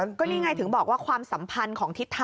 และก